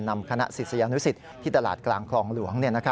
นำคณะศิษยานุสิตที่ตลาดกลางคลองหลวง